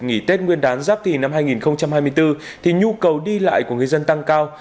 nghỉ tết nguyên đán giáp thì năm hai nghìn hai mươi bốn thì nhu cầu đi lại của người dân tăng cao